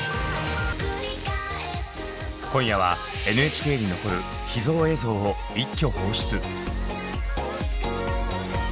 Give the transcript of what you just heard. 今夜はＮＨＫに残る秘蔵映像を一挙放出！